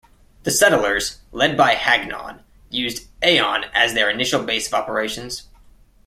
The settlers, led by Hagnon, used Eion as their initial base of operations.